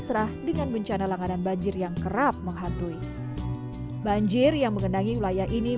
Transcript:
dan seserah dengan bencana langganan banjir yang kerap menghantui banjir yang mengendangi wilayah ini